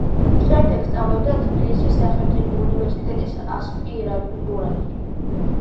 შემდეგ სწავლობდა თბილისის სახელმწიფო უნივერსიტეტის ასპირანტურაში.